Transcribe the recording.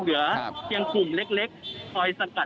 เหลือเพียงกลุ่มเจ้าหน้าที่ตอนนี้ได้ทำการแตกกลุ่มออกมาแล้วนะครับ